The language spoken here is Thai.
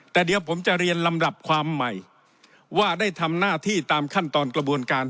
แต่เดี๋ยวผมจะเรียนลำดับความใหม่ว่าได้ทำหน้าที่ตามขั้นตอนกระบวนการ